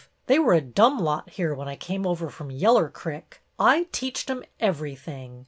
They were a dumb lot here, when I came over from Yeller Crick. I teached 'em every thing.